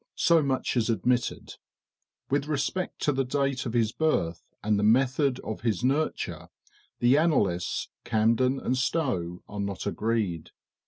So much is admitted; with respect to the date of his birth, and the method of his nurture, the annalists, Camden and Stowe, are not agreed.